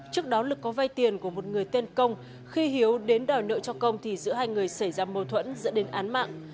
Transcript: trước đó lực có vay tiền của một người tên công khi hiếu đến đòi nợ cho công thì giữa hai người xảy ra mâu thuẫn dẫn đến án mạng